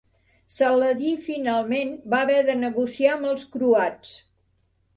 Saladí finalment va haver de negociar amb els croats.